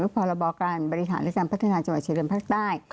พรบการบริหารและการพัฒนาจังหวัดชายแดนภาคใต้